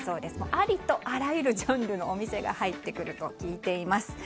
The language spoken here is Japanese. ありとあらゆるジャンルのお店が入ってくると聞いています。